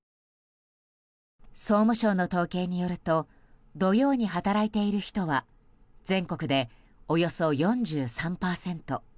総務省の統計によると土曜に働いている人は全国でおよそ４３％。